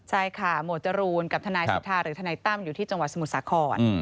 ใช่ค่ะหมวดจรูนกับทนายสิทธาหรือทนายตั้มอยู่ที่จังหวัดสมุทรสาคร